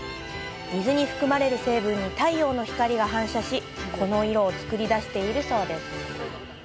水に含まれる成分に太陽の光が反射しこの色をつくり出しているそうです。